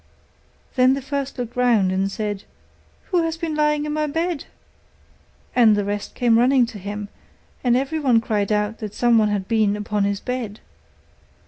Then the first looked round and said, 'Who has been lying on my bed?' And the rest came running to him, and everyone cried out that somebody had been upon his bed.